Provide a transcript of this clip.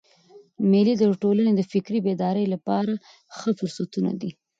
مېلې د ټولني د فکري بیدارۍ له پاره ښه فرصتونه دي.